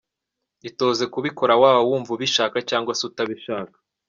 Itoze kubikora ; waba wumva ubishaka cyangwa se utabishaka.